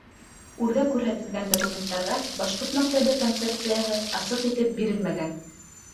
Үрҙә күрһәтелгән документтарҙа башҡорт мәктәбе концепцияһы асыҡ итеп бирелмәгән.